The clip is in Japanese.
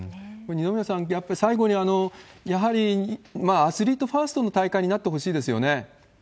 二宮さん、最後に、やはりアスリートファーストの大会になってほしいですよね。